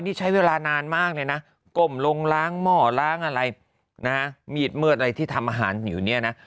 นี่ใช้เวลานานมากเลยนะก้มลงล้างหม้อล้างอะไรนะฮะมีดมืดอะไรที่ทำอาหารอยู่เนี่ยนะ